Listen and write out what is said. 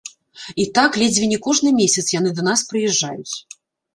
І так ледзьве не кожны месяц яны да нас прыязджаюць.